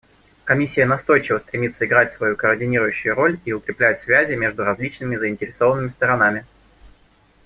Комиссия настойчиво стремится играть свою координирующую роль и укреплять связи между различными заинтересованными сторонами.